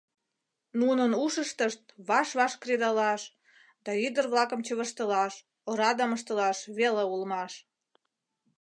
Нунын ушыштышт ваш-ваш кредалаш да ӱдыр-влакым чывыштылаш, орадым ыштылаш веле улмаш.